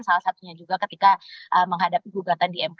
salah satunya juga ketika menghadapi gugatan di mk